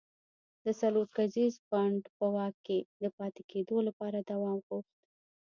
د څلور کسیز بانډ په واک کې د پاتې کېدو لپاره دوام غوښت.